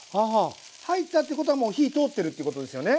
入ったってことはもう火通ってるっていうことですよね。